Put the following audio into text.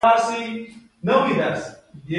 د پسابند ولسوالۍ غرنۍ ده